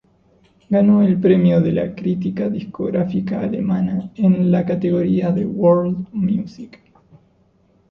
Ganó el Premio de la crítica discográfica alemana en la categoría de World music.